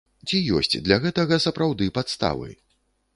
Ці ёсць для гэтага сапраўды падставы?